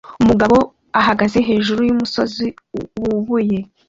Umugabo ahagaze hejuru yumusozi wubuye